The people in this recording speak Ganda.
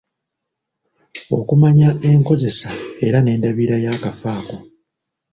Okumanya enkozesa era n'endabirira yakafo ako.